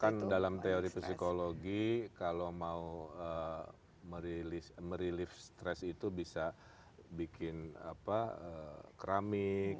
kan dalam teori psikologi kalau mau merilis stres itu bisa bikin keramik